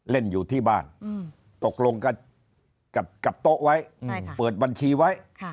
เล่นอยู่ที่บ้านตกลงกับโต๊ะไว้เปิดบัญชีไว้